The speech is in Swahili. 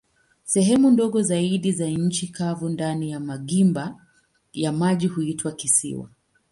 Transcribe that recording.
Sehemu ndogo zaidi za nchi kavu ndani ya magimba ya maji huitwa kisiwa.